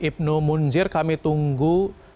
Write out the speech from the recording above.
ibnu munzir kami tunggu